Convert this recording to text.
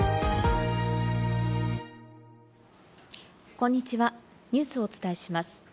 こんにちは、ニュースをお伝えします。